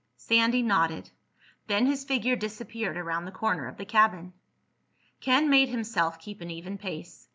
Sandy nodded. Then his figure disappeared around the corner of the cabin. Ken made himself keep an even pace.